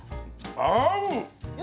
合う！